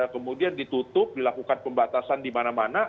kemudian ditutup dilakukan pembatasan di mana mana